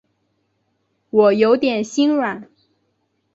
我有点心软